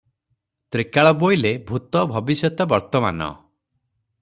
ତ୍ରିକାଳ ବୋଇଲେ ଭୂତ, ଭବିଷ୍ୟତ, ବର୍ତ୍ତମାନ ।